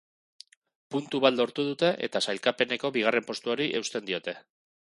Puntu bat lortu dute eta sailkapeneko bigarren postuari eusten diote.